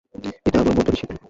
এটা আমার মনটা বিষিয়ে তোলে!